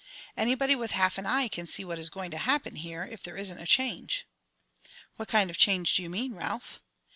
"Anybody with half an eye can see what is going to happen here, if there isn't a change." "What change do you mean, Ralph?"